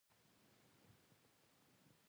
مسجد هلته دی